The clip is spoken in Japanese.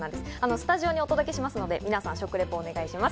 スタジオにお届けしますので、皆さん、食レポお願いします。